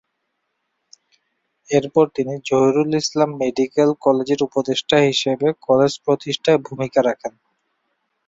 এর পর তিনি জহুরুল ইসলাম মেডিকেল কলেজের উপদেষ্টা হিসেবে কলেজ প্রতিষ্ঠায় ভূমিকা রাখেন।